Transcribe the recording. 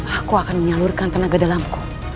aku akan menyalurkan tenaga dalamku